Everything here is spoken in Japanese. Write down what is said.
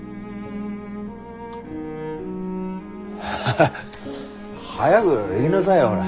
ハハハ早ぐ行ぎなさいよほら。